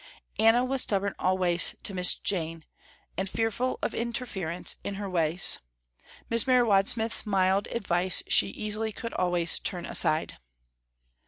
Anna was stubborn always to Miss Jane, and fearful of interference in her ways. Miss Mary Wadsmith's mild advice she easily could always turn aside.